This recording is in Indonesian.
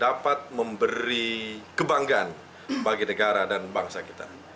dapat memberi kebanggaan bagi negara dan bangsa kita